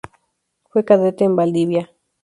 Fue cadete en Valdivia.